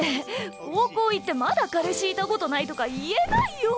高校行ってまだ彼氏いたことないとか言えないよ！